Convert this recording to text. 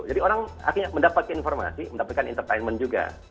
jadi orang akhirnya mendapatkan informasi mendapatkan entertainment juga